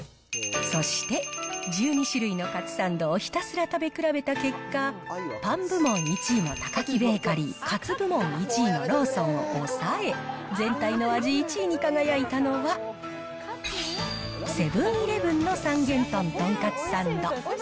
そして、１２種類のカツサンドをひたすら食べ比べた結果、パン部門１位のタカキベーカリー、カツ部門１位のローソンを抑え、全体の味１位に輝いたのは、セブンーイレブンの三元豚とんかつサンド。